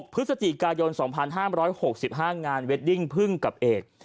พฤศจิกายน๒๕๖๕งานเวดดิ้งพึ่งกับเอก